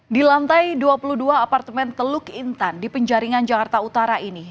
di lantai dua puluh dua apartemen teluk intan di penjaringan jakarta utara ini